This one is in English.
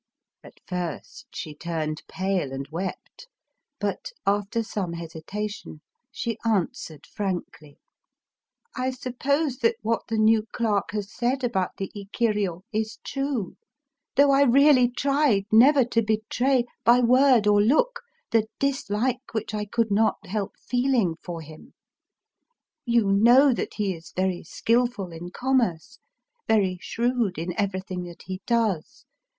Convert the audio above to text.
At first she turned pale, and wept ; but, after some hesitation, she answered frankly: —" I suppose that what the new clerk has said about the ikiryo is true, — though I really tried never to betray, by word or look, the dislike which I could not help feeling for him. You know that he is very skilful in commerce, — very shrewd in everything that he does.